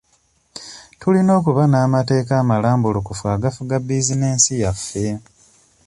Tulina okuba n'amateeka amalambulukufu agafuga bizinensi yaffe.